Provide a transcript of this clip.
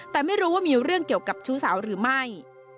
แต่ไม่รู้ว่ามีเรื่องเกี่ยวกับชู้สาวหรือไม่